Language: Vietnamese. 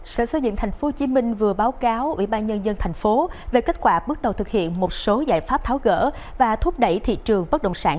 sở xây dựng tp hcm vừa báo cáo ủy ban nhân dân tp về kết quả bước đầu thực hiện một số giải pháp tháo gỡ và thúc đẩy thị trường bất động sản